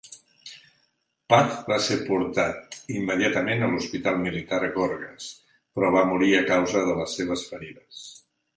Paz va ser portat immediatament a l'Hospital Militar Gorgas, però va morir a causa de les seves ferides.